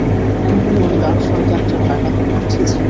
উনি ঐ লাল শয়তানটার নাগালের মধ্যেই ছিলেন।